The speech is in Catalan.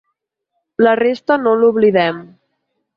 La resta no l’oblidem.